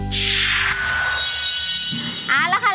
ของอร่อยหลักสิบ